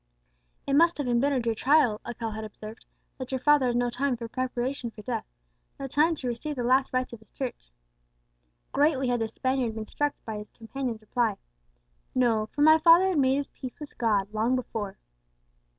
"It must have embittered your trial," Alcala had observed, "that your father had no time for preparation for death no time to receive the last rites of his Church." Greatly had the Spaniard been struck by his companion's reply, "No; for my father had made his peace with God long before."